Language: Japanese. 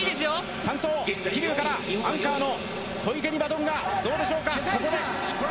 ３走は桐生からアンカーの小池にバトンがどうでしょうか。